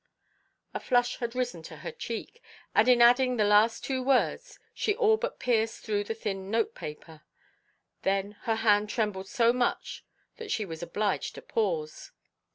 A flush had risen to her cheek, and in adding the last two words she all but pierced through the thin note paper. Then her hand trembled so much that she was obliged to pause.